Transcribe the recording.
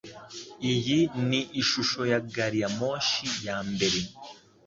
Iyi ni ishusho ya gari ya moshi ya mbere